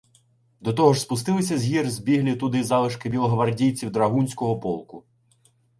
До того ж спустилися з гір збіглі туди залишки білогвардійців драгунського полку.